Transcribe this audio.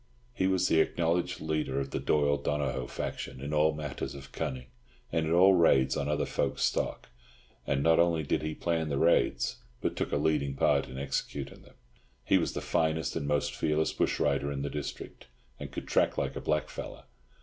He was the acknowledged leader of the Doyle Donohoe faction in all matters of cunning, and in all raids on other folks' stock; and not only did he plan the raids, but took a leading part in executing them. He was the finest and most fearless bush rider in the district, and could track like a black fellow.